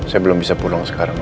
saya belum bisa pulang sekarang